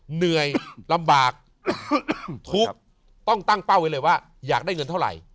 เหนื่อยลำบากทุกข์ต้องตั้งเป้าไว้เลยว่าอยากได้เงินเท่าไหร่